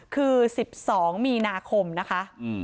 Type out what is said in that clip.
คือ๑๒มีนาคมนะคะ